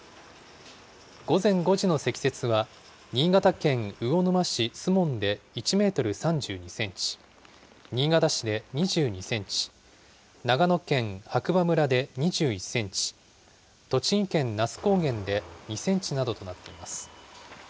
午前５時の積雪は新潟県魚沼市守門で１メートル３２センチ、新潟市で２２センチ、長野県白馬村で２１センチ、栃木県那須高原で２センチなどとなっています。